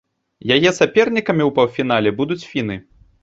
Яе сапернікамі ў паўфінале будуць фіны.